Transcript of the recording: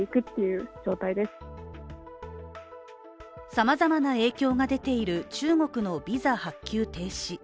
さまざまな影響が出ている中国のビザ発給停止。